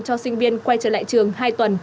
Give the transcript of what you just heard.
cho sinh viên quay trở lại trường hai tuần